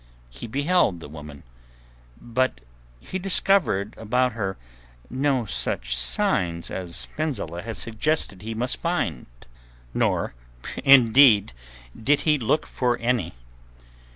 He beheld the woman, but he discovered about her no such signs as Fenzileh had suggested he must find, nor indeed did he look for any.